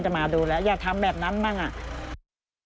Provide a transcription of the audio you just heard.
จะมาดูแล้วอยากทำแบบนั้นมั้งอ่ะ